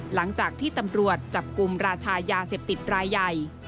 หลังจากที่ตำรวจจับกลุ่มราชายาเสพติดรายใหญ่